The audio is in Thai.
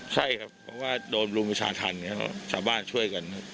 ใช่ครับเพราะว่าโดนรุมิชาทัณค์เจ้าโดยชาวบ้านช่วยกัน